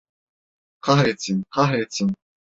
Kahretsin, kahretsin!